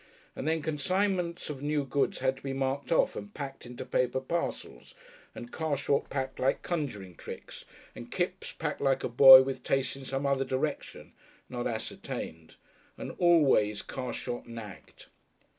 And then consignments of new goods had to be marked off and packed into proper parcels; and Carshot packed like conjuring tricks, and Kipps packed like a boy with tastes in some other direction not ascertained. And always Carshot nagged.